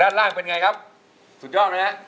ด้านล่างเป็นไงครับสุดยอดไหมฮะ